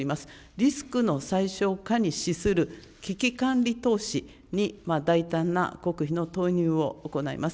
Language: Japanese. リスクの最小化に資する危機管理投資に、大胆な国費の投入を行います。